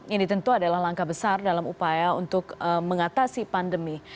ini tentu adalah langkah besar dalam upaya untuk mengatasi pandemi